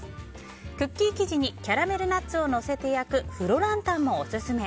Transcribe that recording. クッキー生地にキャラメルナッツをのせて焼くフロランタンもオススメ。